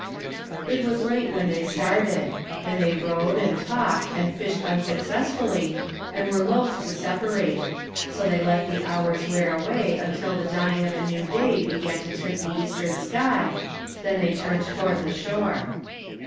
It was late when they started; and they rowed, and talked, and fished unsuccessfully, and were loath to separate ; so they let the hours wear away until the dawning of a new day began to tint the eastern sky, then they turned toward the shore.